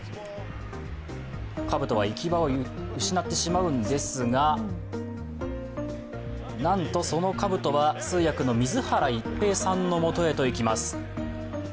かぶとは行き場を失ってしまうんですが、なんとそのかぶとは通訳の水原一平さんのもとへといきます。